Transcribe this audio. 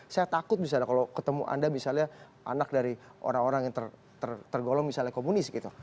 saya takut misalnya kalau ketemu anda misalnya anak dari orang orang yang tergolong misalnya komunis gitu